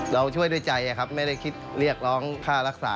เราช่วยด้วยใจครับไม่ได้คิดเรียกร้องค่ารักษา